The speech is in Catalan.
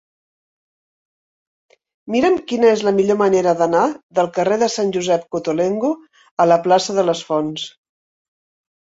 Mira'm quina és la millor manera d'anar del carrer de Sant Josep Cottolengo a la plaça de les Fonts.